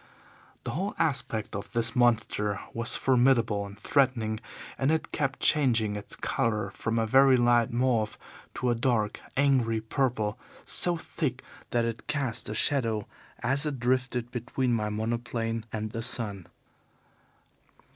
"The whole aspect of this monster was formidable and threatening, and it kept changing its colour from a very light mauve to a dark, angry purple so thick that it cast a shadow as it drifted between my monoplane and the sun.